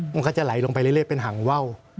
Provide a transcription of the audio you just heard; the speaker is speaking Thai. มันก็จะไหลลงไปเรื่อยเป็นหางว่าว